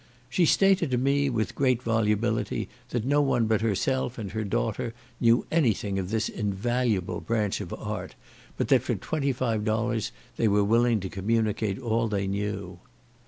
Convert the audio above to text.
She stated to me, with great volubility, that no one but herself and her daughter knew any thing of this invaluable branch of art; but that for twenty five dollars they were willing to communicate all they knew.